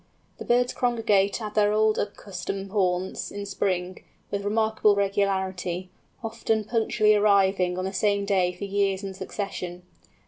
The birds congregate at their old accustomed haunts in Spring, with remarkable regularity, often punctually arriving on the same day for years in succession.